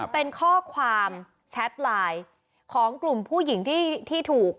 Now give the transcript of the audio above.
เป็นข้อความแชทไลน์ของกลุ่มผู้หญิงที่ถูก